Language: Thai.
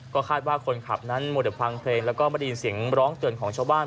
ก็คาดว่าคนขับนั้นมัวแต่ฟังเพลงแล้วก็ไม่ได้ยินเสียงร้องเตือนของชาวบ้าน